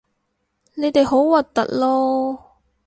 你哋好核突囉